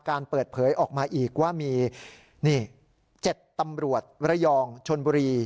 การเปิดเผยออกมาอีกว่ามี๗ตำรวจระยองชนบุรี